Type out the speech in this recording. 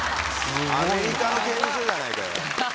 アメリカの刑務所じゃないかよ。